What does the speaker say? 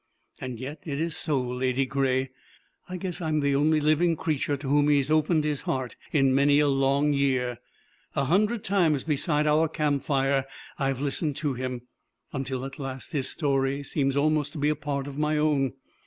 And yet it is so, Ladygray. I guess I am the only living creature to whom he has opened his heart in many a long year. A hundred times beside our campfire I have listened to him, until at last his story seems almost to be a part of my own.